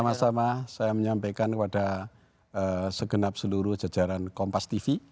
sama sama saya menyampaikan kepada segenap seluruh jajaran kompas tv